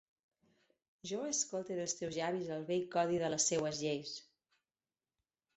Jo escolte dels teus llavis el bell codi de les seues lleis.